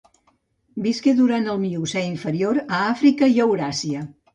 Visqué durant el Miocè inferior a Àfrica i Euràsia.